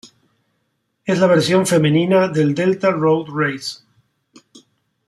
Es la versión femenina del Delta Road Race.